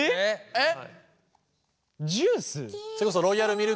えっ。